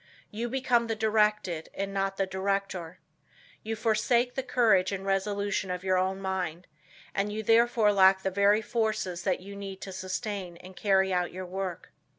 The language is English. You become the directed and not the director. You forsake the courage and resolution of your own mind, and you therefore lack the very forces that you need to sustain and carry out your work.